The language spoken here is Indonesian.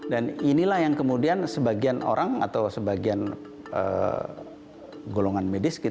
dan inilah yang kemudian sebagian orang atau sebagian golongan medis